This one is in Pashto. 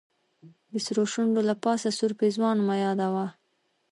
د سرو شونډو له پاسه سور پېزوان مه یادوه.